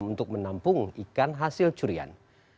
untuk menampung ikan hasil curian